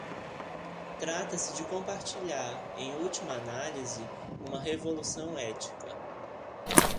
Trata-se de compartilhar, em última análise, uma revolução ética.